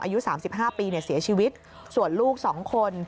อายุ๓๕ปีเสียชีวิตส่วนลูก๒คน